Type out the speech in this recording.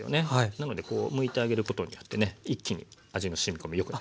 なのでこうむいてあげることによってね一気に味のしみ込み良くなってきます。